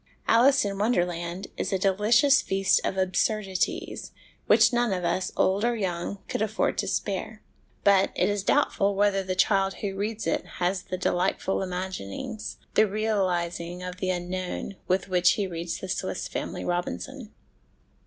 Alice in Wonderland is a delicious feast of absurdities, which none of us, old or young, could 152 HOME EDUCATION afford to spare ; but it is doubtful whether the child who reads it has the delightful imaginings, the realis ing of the unknown, with which he reads The Swiss Family Robinson.